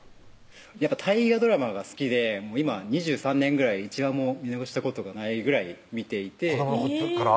やっぱ大河ドラマが好きで今２３年ぐらい１話も見逃したことがないぐらい見ていて子どもの時から？